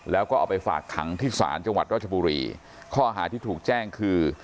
แล้วก็เอาไปฝากขังที่ศาลจังหวัดรัชบุรีข้อหาที่ถูกแจ้งคือ